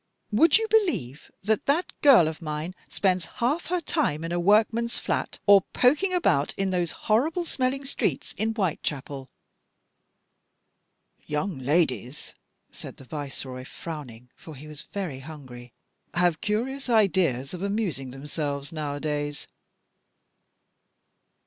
Would 242 THE 8T0RT OF A MODERN WOMAN. you believe that that girl of mine spends half her time in a workman's flat, or poking about in those horrible smelly streets in Whitechapel." " Young ladies," said the Viceroy, frown ing, for he was very hungry, " have curious ideas of amusing themselves nowadays."